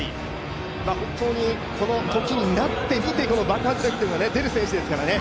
本当にこのときになってみて、この爆発力というのが出る選手ですからね。